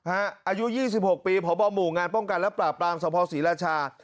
อายุ๒๖ปีพบหมู่งานป้องกันและปราบปรามสภศรีราชา